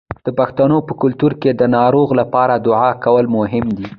د پښتنو په کلتور کې د ناروغ لپاره دعا کول مهم دي.